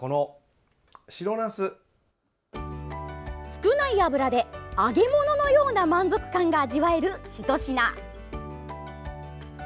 少ない油で揚げ物のような満足感が味わえるひと品。